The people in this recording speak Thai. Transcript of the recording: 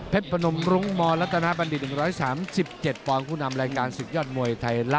เพ็บประนมรุงมรัฐนาบัณฑิษฐ์๑๓๗ปผู้นำรายการศึกยอดมวยไทยรัฐ